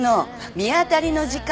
見当たりの時間。